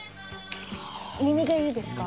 耳毛いいですか？